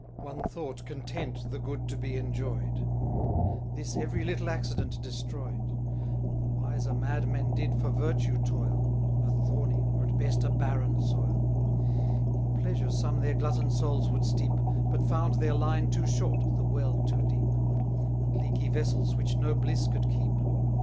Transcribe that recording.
One thought Content the good to be enjoy'd This every little accident destroy'd: 30 The wiser madmen did for Virtue toil A thorny, or at best a barren soil: In Pleasure some their glutton souls would steep; But found their line too short, the well too deep; And leaky vessels which no bliss could keep.